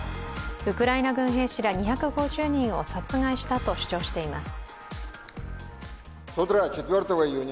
ウクライナ軍兵士ら２５０人を殺害したと主張しています。